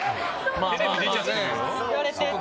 テレビ出ちゃったよ。